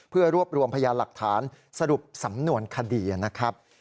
เพื่อรวบรวมพยานหลักฐานสรุปสำนวนคดีนะครับ